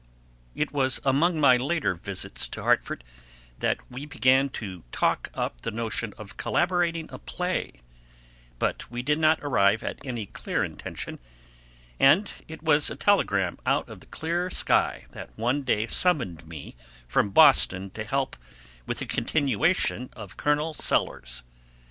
It was among my later visits to Hartford that we began to talk up the notion of collaborating a play, but we did not arrive at any clear intention, and it was a telegram out of the clear sky that one day summoned me from Boston to help with a continuation of Colonel Sellers.